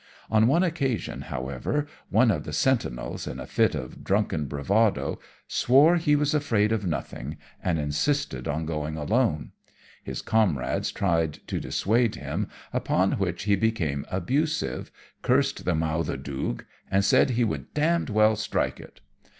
On one occasion, however, one of the sentinels, in a fit of drunken bravado, swore he was afraid of nothing, and insisted on going alone. His comrades tried to dissuade him, upon which he became abusive, cursed the Mauthe Doog, and said he would d d well strike it.